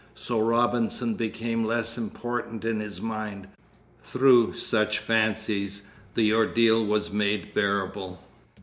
So Robinson became less important in his mind. Through such fancies the ordeal was made bearable.